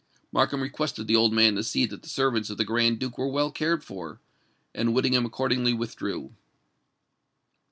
Markham requested the old man to see that the servants of the Grand Duke were well cared for; and Whittingham accordingly withdrew.